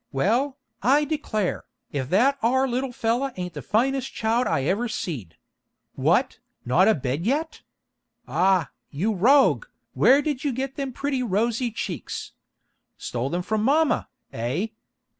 Well, I declare, if that are little feller ain't the finest child I ever seed. What, not abed yet? Ah, you rogue, where did you get them are pretty rosy cheeks? Stole them from mama, eh?